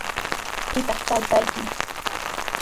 ¿Pitaq taytayki?